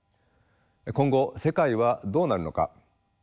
今後世界はどうなるのか。